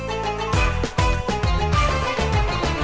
kebersamaan dan keindahan ramadan